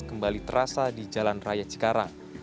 kembali terasa di jalan raya cikarang